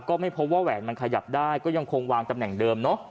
ก็ไม่พบว่าแหวนมันขยับได้ก็ยังคงวางตำแหน่งเดิมเนอะ